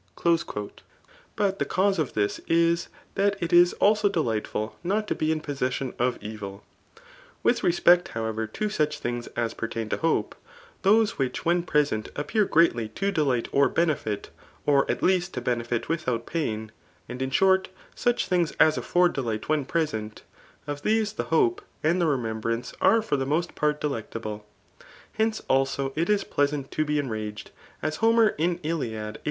1. :*' r '': r *•.•.'■';. 3qt tJ^e <:9tu8e of this is, tM it is also delightful not tp ^rin possession of eviL With respect however, to Hichi^gsas pert^ to hope, those which when peek sent appear, greatly to delight or benefit, or [at lesfstj to benefit without pain j and in dhort^ such things as afford delight when present,— of these the hope and the re membrance are for the most part delectable. Hence^ also, it is pleasant to be enraged} as Homer [in Iliad, 18.